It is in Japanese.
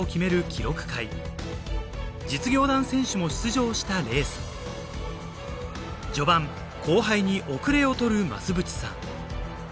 記録会実業団選手も出場したレース序盤後輩に後れを取る増渕さん